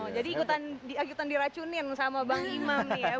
jadi ikutan diracunin sama bang imam nih ya